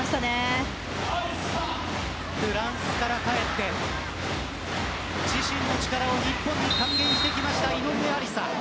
フランスから帰って自身の力を日本に還元してきた井上愛里沙。